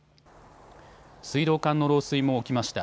水道管の漏水も起きました。